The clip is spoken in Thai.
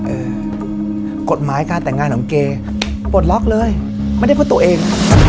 กฎหมายการแต่งงานของเกย์ปลดล็อกเลยไม่ได้เพราะตัวเอง